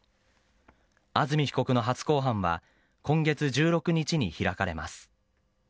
安住被告の初公判は今月１６日に開かれます。